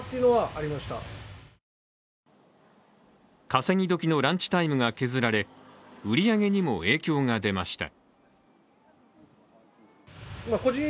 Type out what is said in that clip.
稼ぎ時のランチタイムが削られ売り上げにも影響が出ました。